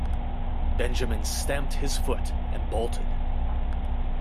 Benjamin stamped his foot, and bolted.